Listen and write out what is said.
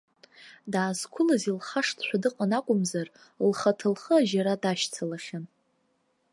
Даазқәылаз илхашҭшәа дыҟан акәымзар, лхаҭа лхы ажьара дашьцылахьан.